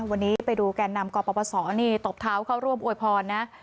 วันนี้ไปดูแก่นำกปศนี่ตบเท้าเข้าร่วมอวยพรนะ